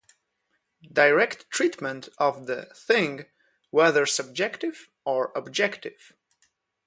Direct treatment of the "thing" whether subjective or objective.